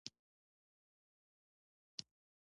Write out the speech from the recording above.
آمو سیند د افغانستان د موسم د بدلون سبب کېږي.